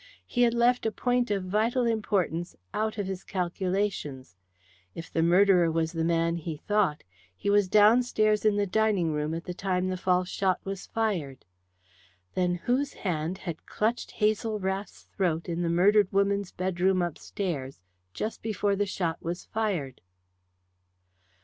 He had left a point of vital importance out of his calculations. If the murderer was the man he thought, he was downstairs in the dining room at the time the false shot was fired. Then whose hand had clutched Hazel Rath's throat in the murdered woman's bedroom upstairs, just before the shot was fired?